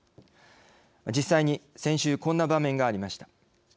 実際に先週こんな場面がありました。